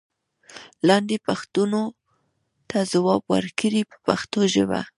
لاندې پوښتنو ته ځواب ورکړئ په پښتو ژبه.